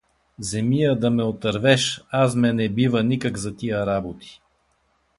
Вземи я да ме отървеш, аз ме не бива никак за тия работи.